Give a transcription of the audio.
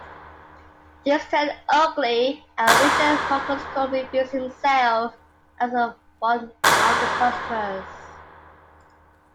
Things turn ugly, and Ranger Marcus Cole reveals himself as one of the customers.